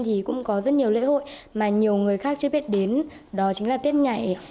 thì cũng có rất nhiều lễ hội mà nhiều người khác chưa biết đến đó chính là tết nhảy